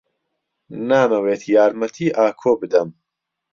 نامەوێت یارمەتیی ئاکۆ بدەم.